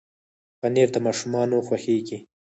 پنېر د ماشومانو خوښېږي.